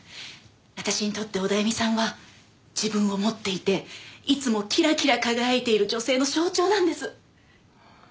私にとってオダエミさんは自分を持っていていつもキラキラ輝いている女性の象徴なんです。